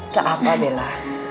gak apa bella